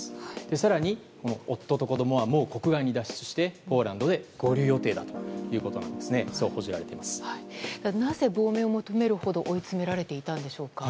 更に夫と子供は国外に脱出してポーランドで合流予定だとなぜ、亡命を求めるほど追い詰められていたんでしょうか。